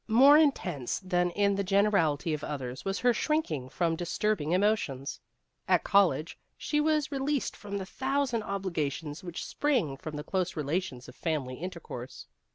More intense than in the generality of others was her shrinking from disturbing emotions. At college she was released from the thousand obligations which spring from the close relations of family intercourse.